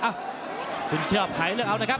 อ้าวคุณเชือบไหลเลือกเอานะครับ